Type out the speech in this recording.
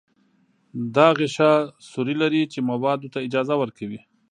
دا غشا سوري لري چې موادو ته اجازه ورکوي.